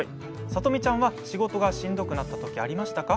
さとみちゃんは仕事がしんどくなった時ありましたか？